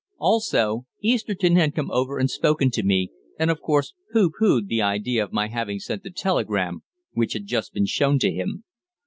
Also Easterton had come over and spoken to me, and of course pooh poohed the idea of my having sent the telegram, which had just been shown to him.